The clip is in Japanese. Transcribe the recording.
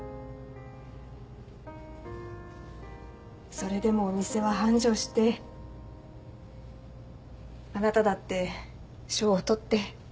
それでもお店は繁盛してあなただって賞を取って。